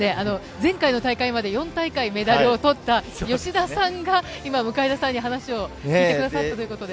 前回の大会まで４大会メダルをとった吉田さんが、今、向田さんに話を聞いてくださったということで。